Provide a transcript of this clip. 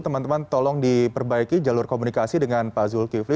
teman teman tolong diperbaiki jalur komunikasi dengan pak zulkifli